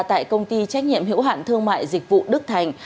tại công ty trách nhiệm hiểu hạn thương mại dịch vụ đức thành